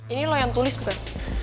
ini lo yang tulis bukan